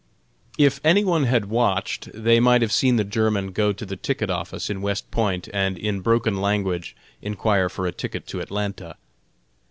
If any one had watched, they might have seen the German go to the ticket office in West Point and, in broken language, inquire for a ticket to Atlanta.